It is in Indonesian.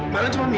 malah cuma mie